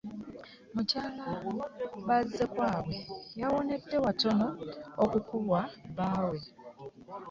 Mukyala Bazzakyabwe yawonedde watono okukubwa bbaawe.